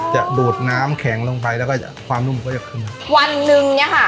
ดูดน้ำแข็งลงไปแล้วก็ความนุ่มก็จะขึ้นวันหนึ่งเนี้ยค่ะ